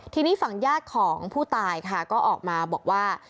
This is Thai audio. ทีนี้ฝั่งญาติของผู้ตายค่ะก็ออกมาบอกว่า